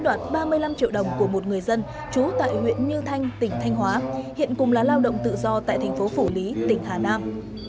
điều đồng của một người dân chú tại huyện như thanh tỉnh thanh hóa hiện cùng là lao động tự do tại thành phố phủ lý tỉnh hà nam